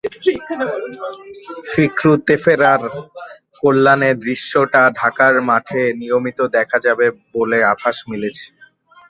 Fikru তেফেরার কল্যাণে দৃশ্যটা ঢাকার মাঠে নিয়মিত দেখা যাবে বলে আভাস মিলছে।